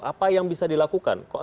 apa yang bisa dilakukan